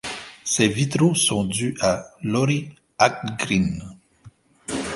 Ses vitraux sont dus à Lauri Ahlgrén.